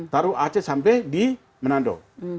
taruh ac sampai di menando